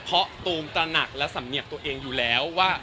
เพราะตูมตระหนักและสำเนียบตัวเองอยู่แล้วว่า